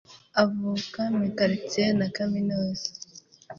Avuka mu Kar tse na Kaminuza